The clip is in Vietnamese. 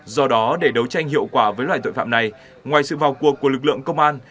do đó để đấu tranh hiệu quả với loại tội phạm này ngoài sự vào cuộc của lực lượng công an